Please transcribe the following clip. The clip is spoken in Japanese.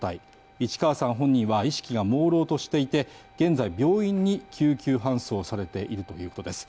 市川さん本人は意識がもうろうとしていて、現在病院に救急搬送されているということです。